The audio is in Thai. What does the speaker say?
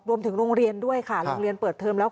โรงเรียนด้วยค่ะโรงเรียนเปิดเทอมแล้ว